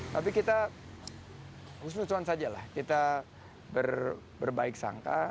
tapi kita usus ususan saja lah kita berbaik sangka